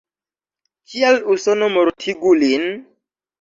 Kial Usono mortigu lin?